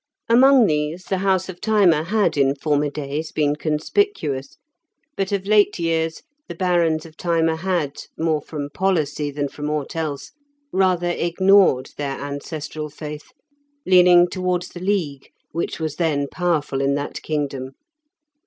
Among these the house of Thyma had in former days been conspicuous, but of late years the barons of Thyma had, more from policy than from aught else, rather ignored their ancestral faith, leaning towards the League, which was then powerful in that kingdom.